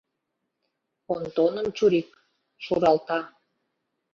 Онтоным чурык шуралта.